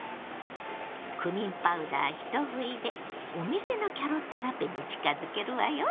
クミンパウダー一振りでお店のキャロットラペに近づけるわよ！